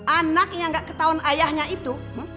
anak yang gak ketahuan ayahnya itu